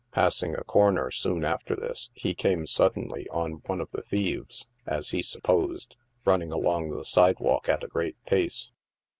Passing a corner soon after this, he came suddenly on one of the thieves, as he supposed, running along the sidewalk at a great pace.